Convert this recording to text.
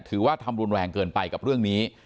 ถือว่าทำรุนแรงเกินไปกับเรื่องนี้